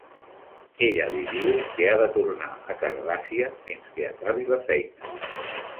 Ella li diu que ha de tornar a Cardassia fins que acabi la feina.